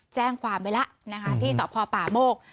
แจ้งความไว้แล้วที่สอบพปโมก